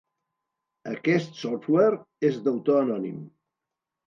Aquest software és d'autor anònim.